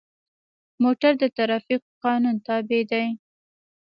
موټر د ټرافیکو قانون تابع دی.